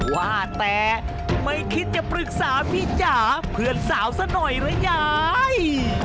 ว่าแต่ไม่คิดจะปรึกษาพี่จ๋าเพื่อนสาวซะหน่อยหรือยาย